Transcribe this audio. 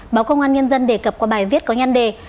báo công an nhân dân đề cập qua bài viết có nhăn đề